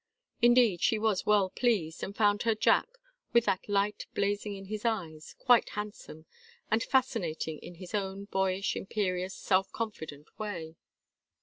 Indeed, she was well pleased, and found her Jack, with that light blazing in his eyes, quite handsome, and fascinating in his own boyish imperious self confident way.